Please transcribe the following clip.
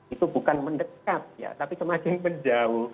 itu bukan mendekat ya tapi semakin menjauh